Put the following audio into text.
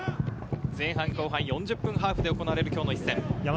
前半後半４０分ハーフで行われる今日の一戦。